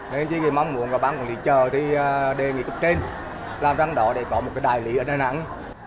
nên chỉ mong muốn bán quần lý chờ thì đề nghị cấp trên làm răng đỏ để có một cái đài lý ở đà nẵng